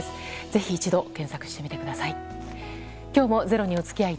ぜひ一度、検索してみてください。